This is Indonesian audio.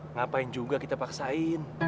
ngapain juga kita pakai